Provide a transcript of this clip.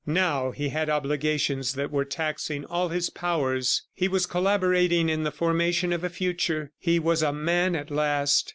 Now he had obligations that were taxing all his powers; he was collaborating in the formation of a future. He was a man at last!